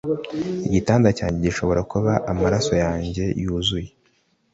Igitanda cyanjye gishobora kuba amaraso yanjye yuzuye